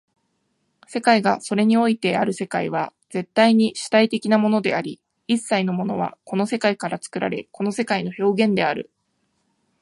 世界がそれにおいてある世界は絶対に主体的なものであり、一切のものはこの世界から作られ、この世界の表現である。